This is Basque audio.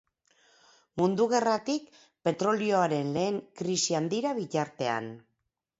Mundu Gerratik petrolioaren lehen krisi handira bitartean.